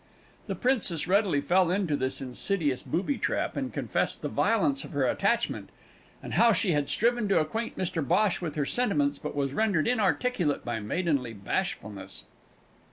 The princess readily fell into this insidious booby trap, and confessed the violence of her attachment, and how she had striven to acquaint Mr Bhosh with her sentiments but was rendered inarticulate by maidenly bashfulness.